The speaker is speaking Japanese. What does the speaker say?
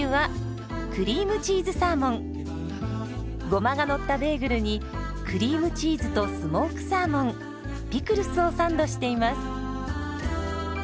ゴマがのったベーグルにクリームチーズとスモークサーモンピクルスをサンドしています。